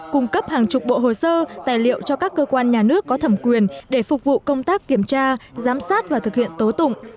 cung cấp hàng chục bộ hồ sơ tài liệu cho các cơ quan nhà nước có thẩm quyền để phục vụ công tác kiểm tra giám sát và thực hiện tố tụng